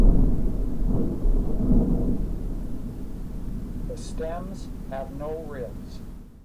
The stems have no ribs.